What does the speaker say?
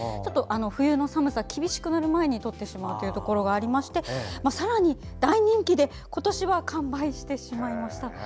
冬の寒さが厳しくなる前にとってしまうというところがありましてさらに大人気で今年は完売してしまいました。